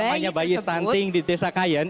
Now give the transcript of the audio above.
mbak yang namanya bayi stunting di desa krayen